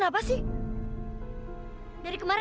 sampai aku dapatkan kamu lagi